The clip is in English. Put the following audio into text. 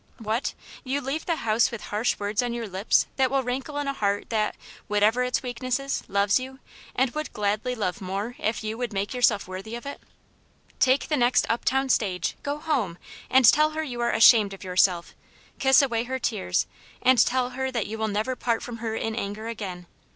What ! you leave the house with harsh words on your lips that will rankle in a heart that, whatever its weaknesses, loves you, and would gladly love more if you would make yourself worthy of it ? Take the 264 Aunl pane's Hero. next up town stage, go home, and tell her you are ashamed of yourself, kiss away her tears, and tell her that you never will part from her in anger again.